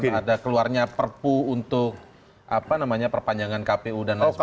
tidak ada keluarnya perpu untuk apa namanya perpanjangan kpu dan lain sebagainya